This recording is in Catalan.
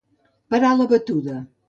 Parar la batuda.